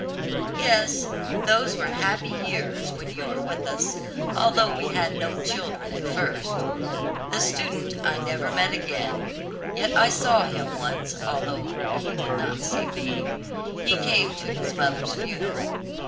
"Yes, those were happy years when you were with us, although we had no children at first. The student I never met again. Yet I saw him once, although he did not see me. He came to his mother's funeral.